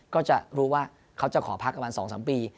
ก็จะรู้ว่าเขาจะขอพักประมาณ๒๓ปี